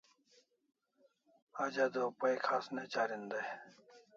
Aj adua pay khas ne charin dai